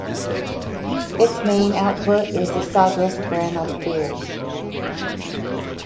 Its main output is the Sagres brand of beers.